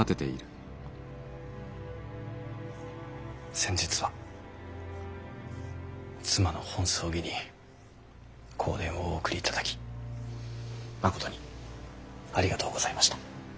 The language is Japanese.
先日は妻の本葬儀に香典をお送りいただきまことにありがとうございました。